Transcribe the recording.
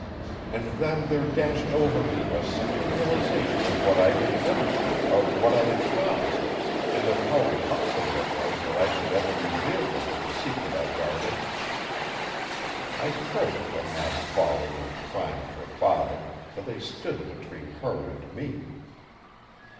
And then there dashed over me a sickening realization of what I had done, of what I had promised, and of how impossible it was that I should ever reveal to her the secret I guarded. I cursed the mad folly and crime of her father, for they stood between her and me.